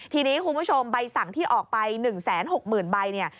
ทีนี้คุณผู้ชมใบสั่งที่ออกไป๑๖๐๐๐ใบเนี่ย